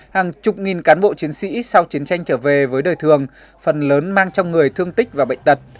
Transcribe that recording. hàng chục nghìn cán bộ chiến sĩ sau chiến tranh trở về với đời thường phần lớn mang trong người thương tích và bệnh tật